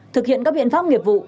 thực hiện các biện pháp nghiệp vụ